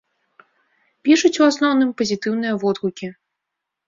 Пішуць у асноўным пазітыўныя водгукі.